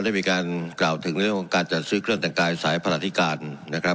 ได้มีการกล่าวถึงเรื่องของการจัดซื้อเครื่องแต่งกายสายพระราธิการนะครับ